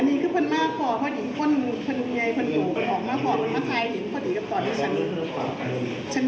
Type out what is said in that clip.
ฉันไม่ได้ตั้งใจว่าฉันถ่ายเอง